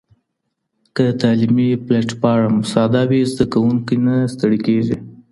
که تعلیمي پلیټفارم ساده وي، زده کوونکي نه ستړي کېږي.